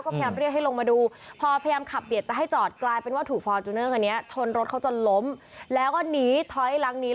พยายามเรียกให้ลงมาดูพอพยายามขับเบียดจะให้จอดกลายเป็นว่าถูกฟอร์จูเนอร์คันนี้ชนรถเขาจนล้มแล้วก็หนีถอยหลังหนี